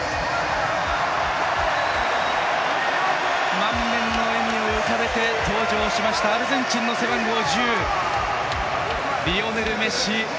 満面の笑みを浮かべて登場しましたアルゼンチンの背番号１０リオネル・メッシ！